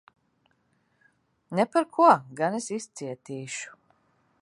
Ne par ko! Gan es izcietīšu.